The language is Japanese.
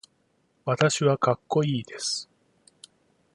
私はかっこいいです。